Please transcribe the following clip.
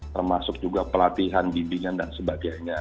termasuk juga pelatihan bimbingan dan sebagainya